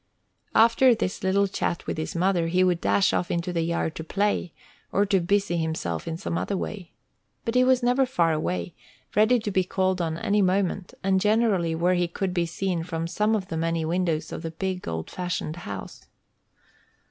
After this little chat with his mother, he would dash off into the yard to play, or to busy himself in some other way. But he was never far away, ready to be called any moment, and generally where he could be seen from some of the many windows of the big, old fashioned house.